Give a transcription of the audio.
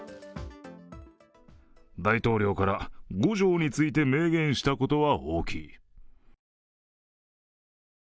大統領から５条について明言したことは大きい。